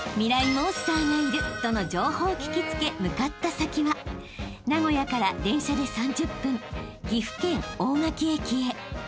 モンスターがいるとの情報を聞き付け向かった先は名古屋から電車で３０分岐阜県大垣駅へ］